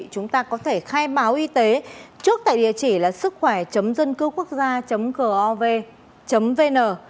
chúng ta có thể khai báo y tế trước tại địa chỉ là sứckhoẻ dâncưuquốcgia gov vn